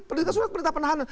terbitkan surat penahanan